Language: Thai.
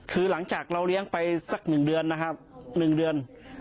คือหลังจากเราเลี้ยงไปสัก๑เดือนนะครับ๑เดือน